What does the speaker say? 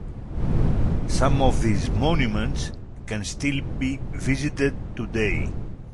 Some of these monuments can still be visited today.